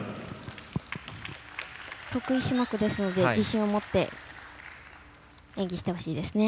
得意種目ですので自信を持って演技してほしいですね。